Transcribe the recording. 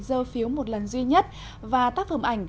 dơ phiếu một lần duy nhất và tác phẩm ảnh